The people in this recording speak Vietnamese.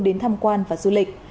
đến tham quan và du lịch